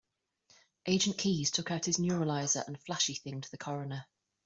Agent Keys took out his neuralizer and flashy-thinged the coroner.